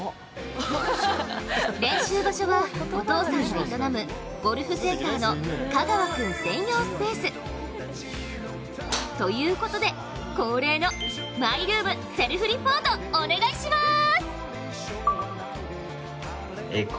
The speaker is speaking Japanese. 練習場所はお父さんが営むゴルフセンターの香川君専用スペース。ということで、恒例のマイルームセルフリポートお願いします！